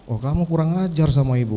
oh kamu kurang ajar sama ibu